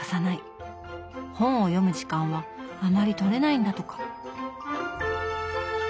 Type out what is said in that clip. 本を読む時間はあまりとれないんだとか。